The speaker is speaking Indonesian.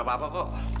ampul ya bang